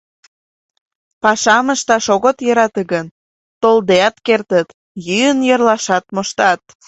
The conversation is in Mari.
Пашам ышташ огыт йӧрате гын, толдеат кертыт, йӱын йӧрлашат моштат.